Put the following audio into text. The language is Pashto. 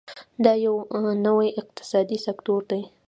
دا یو نوی اقتصادي سکتور دی.